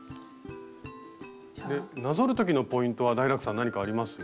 なぞる時のポイントはダイラクさん何かあります？